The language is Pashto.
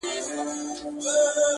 يو په يو يې لوڅېدله اندامونه،